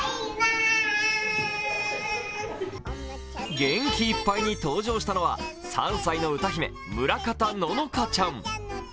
元気いっぱいに登場したのは３歳の歌姫・村田乃々佳ちゃん。